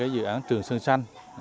dự án trường sơn xanh